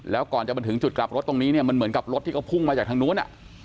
แล้วก่อนจะมาถึงจุดกลับรถตรงนี้เนี่ยมันเหมือนกับรถที่เขาพุ่งมาจากทางนู้น